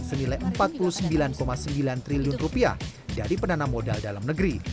senilai rp empat puluh sembilan sembilan triliun dari penanam modal dalam negeri